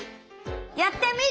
やってみる！